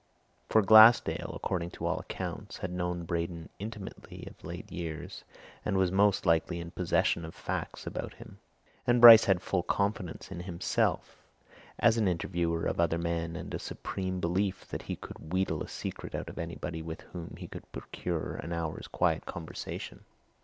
For Glassdale, according to all accounts, had known Braden intimately of late years, and was most likely in possession of facts about him and Bryce had full confidence in himself as an interviewer of other men and a supreme belief that he could wheedle a secret out of anybody with whom he could procure an hour's quiet conversation.